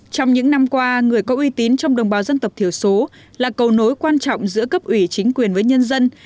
trong những năm qua người có uy tín trong đồng bào dân tộc thiểu số là cầu nối quan trọng giữa cấp ủy chính quyền với nhân dân